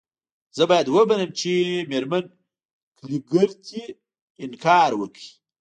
زه باید ومنم چې میرمن کلیګرتي انکار وکړ